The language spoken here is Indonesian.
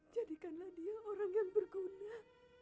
jadikanlah dia orang yang berguna